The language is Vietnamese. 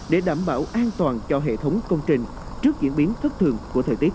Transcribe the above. để đảm bảo an toàn cho hệ thống công trình trước diễn biến thất thường của thời tiết